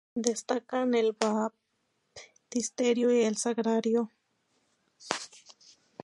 Destacan el baptisterio y el sagrario, obras del arquitecto modernista Josep Maria Jujol.